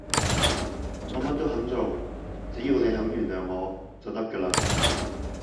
我乜都肯做，只要你肯原諒我就得㗎喇